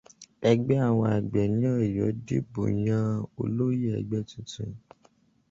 Ẹgbẹ́ àwọn àgbẹ̀ ni Ọ̀yọ́ dìbò yan olóyè ẹgbẹ́ tuntun.